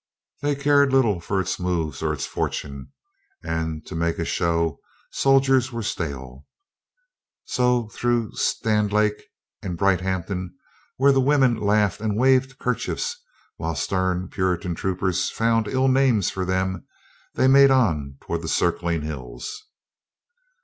They cared little for its moves or its fortune, and to make a show, soldiers were stale. So through Standlake and Brighthampton, where the women laughed and waved kerchiefs while stern Puri tan troopers found ill names for them, they made on toward the circling hills.